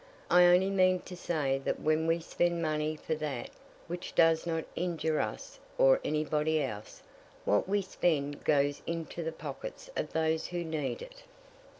I only mean to say that when we spend money for that which does not injure us or any body else, what we spend goes into the pockets of those who need it.